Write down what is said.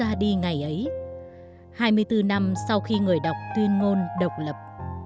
bác đã ra đi ngày ấy hai mươi bốn năm sau khi người đọc tuyên ngôn độc lập